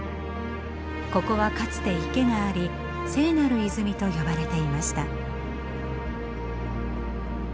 ここはかつて池があり聖なる泉と呼ばれていました。